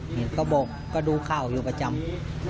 เห็นก็บอกก็ดูเข้ายังประจำ